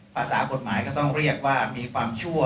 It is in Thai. ภาษากฎหมายก็ต้องเรียกว่ามีความชั่ว